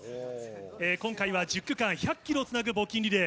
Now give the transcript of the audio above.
今回は１０区間１００キロをつなぐ募金リレー。